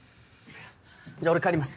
じゃあ俺帰ります。